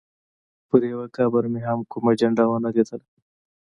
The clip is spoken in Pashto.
پر یوه قبر مې هم کومه جنډه ونه لیدله.